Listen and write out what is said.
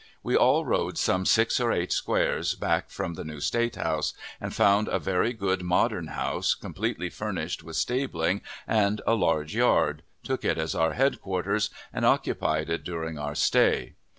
We all rode some six or eight squares back from the new State House, and found a very good modern house, completely furnished, with stabling and a large yard, took it as our headquarters, and occupied it during our stay.